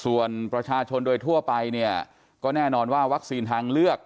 ส่วนประชาชนโดยทั่วไปเนี่ยก็แน่นอนว่าวัคซีนทางเลือก